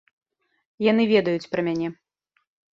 Яны ведаюць пра мяне.